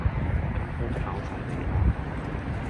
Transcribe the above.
今鋪靠曬你啦！